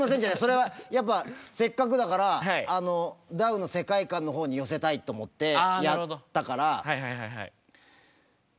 それはやっぱせっかくだからダウの世界観の方に寄せたいと思ってやったから。